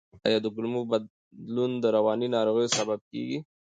آیا د کولمو بدلون د رواني ناروغیو سبب کیږي؟